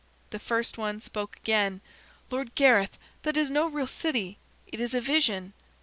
The first one spoke again: "Lord Gareth, that is no real city. It is a vision."